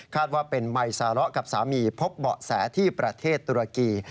ว่าเป็นไมซาระกับสามีพบเบาะแสที่ประเทศตุรกี